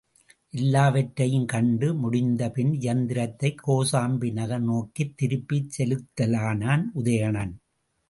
எல்லாவற்றையும் கண்டு முடிந்தபின் இயந்திரத்தைக் கோசாம்பி நகர் நோக்கித் திருப்பிச் செலுத்தலானான் உதயணன்.